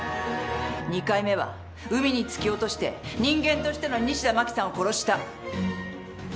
２回目は海に突き落として人間としての西田真紀さんを殺した。